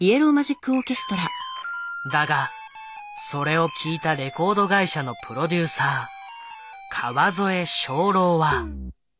だがそれを聴いたレコード会社のプロデューサー川添象郎は。